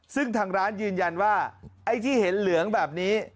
ซึ่งทางร้านยืนยันว่าไอ้ที่เห็นเหลืองแบบนี้